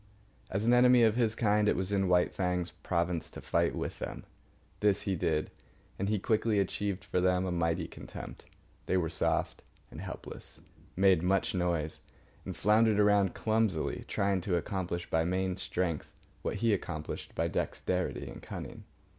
As an enemy of his kind, it was in White Fang's province to fight with them. This he did, and he quickly achieved for them a mighty contempt. They were soft and helpless, made much noise, and floundered around clumsily trying to accomplish by main strength what he accomplished by dexterity and cunning.